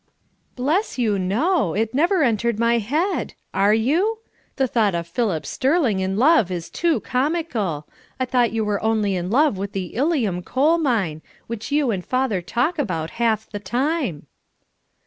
"Bless you, no. It never entered my head. Are you? The thought of Philip Sterling in love is too comical. I thought you were only in love with the Ilium coal mine, which you and father talk about half the time."